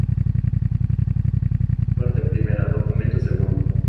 Parte primera, documento segundo.